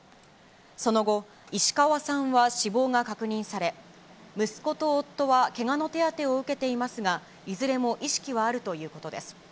その後、石川さんは死亡が確認され、息子と夫はけがの手当てを受けていますが、いずれも意識はあるということです。